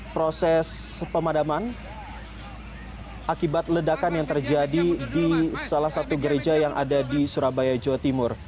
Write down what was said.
proses pemadaman akibat ledakan yang terjadi di salah satu gereja yang ada di surabaya jawa timur